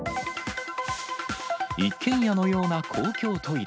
一軒家のような公共トイレ。